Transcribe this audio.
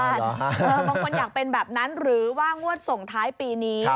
บางคนอยากเป็นแบบนั้นหรือว่างวดส่งท้ายปีนี้